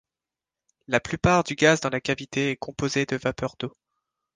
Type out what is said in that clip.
La plupart du gaz dans la cavité est composé de vapeur d'eau.